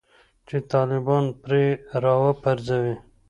چې طالبان پرې راوپرځوي